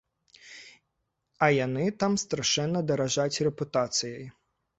А яны там страшэнна даражаць рэпутацыяй.